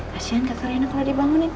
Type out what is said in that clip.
kasian kakak reina kalau dibangunin